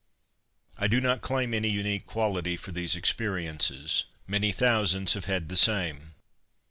_ _I do not claim any unique quality for these experiences. Many thousands have had the same.